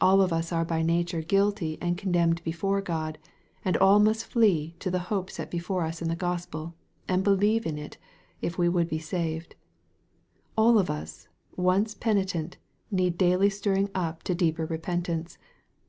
All of us are by nature guilty and condemned before God, and all must flee to the hope set before us in the Gospel, and believe in it, if we would be saved. All of us, once penitent, need daily stirring up to deeper repentance.